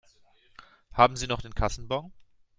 Haben Sie noch den Kassenbon?